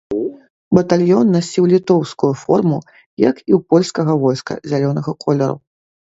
Батальён насіў літоўскую форму, як і ў польскага войска, зялёнага колеру.